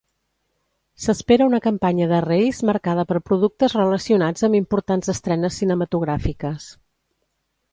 S'espera una campanya de Reis marcada per productes relacionats amb importants estrenes cinematogràfiques.